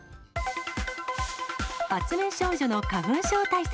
発明少女の花粉症対策。